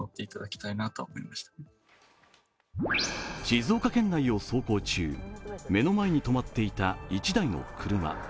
静岡県内を走行中、目の前にとまっていた１台の車。